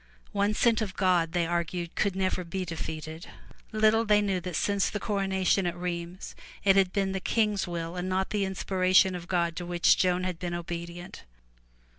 One sent of God they argued could never be defeated. Little they knew that since the corona tion at Rheims it had been the King's will and not the inspiration of God to which Joan had been obedient.